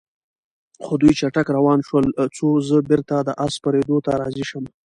خو دوی چټک روان شول، څو زه بېرته د آس سپرېدو ته راضي شم.